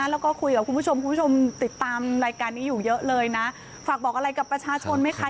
แล้วก็คุยกับคุณผู้ชมคุณผู้ชมติดตามรายการนี้อยู่เยอะเลยนะฝากบอกอะไรกับประชาชนไหมคะ